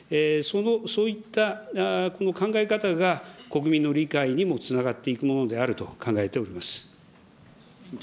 そういったこの考え方が、国民の理解にもつながっていくものであると考えております。